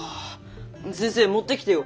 先生持ってきてよ！